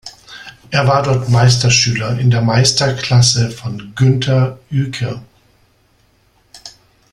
Er war dort Meisterschüler in der Meisterklasse von Günther Uecker.